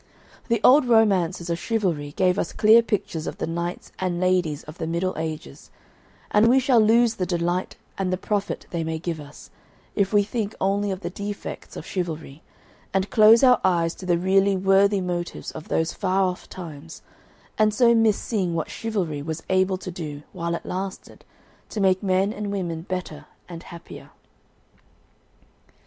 The old romances of chivalry give us clear pictures of the knights and ladies of the Middle Ages, and we shall lose the delight and the profit they may give us, if we think only of the defects of chivalry, and close our eyes to the really worthy motives of those far off times, and so miss seeing what chivalry was able to do, while it lasted, to make men and women better and happier.